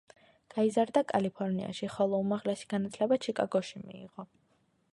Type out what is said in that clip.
გაიზარდა კალიფორნიაში, ხოლო უმაღლესი განათლება ჩიკაგოში მიიღო.